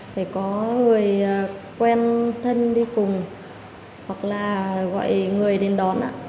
để có người quen thân đi cùng hoặc là gọi người đến đón